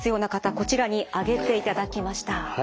こちらに挙げていただきました。